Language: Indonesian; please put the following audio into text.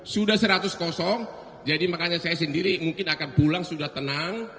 sudah seratus kosong jadi makanya saya sendiri mungkin akan pulang sudah tenang